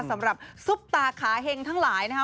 สำหรับซุปตาคาเฮงทั้งหลายนะคะ